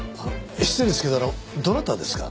失礼ですけどあのどなたですか？